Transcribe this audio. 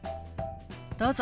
どうぞ。